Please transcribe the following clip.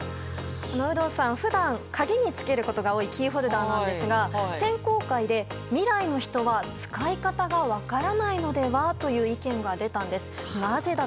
有働さん、普段鍵につけることが多いキーホルダーなんですが選考会で未来の人は使い方が分からないのではという意見が出たんです。